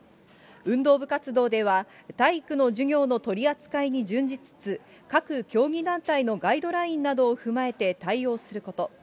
運動部活動では、体育の授業の取り扱いに準じつつ、各競技団体のガイドラインを踏まえて対応すること。